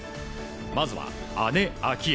まずは、姉・明愛。